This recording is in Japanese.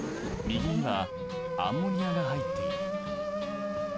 右にはアンモニアが入っている。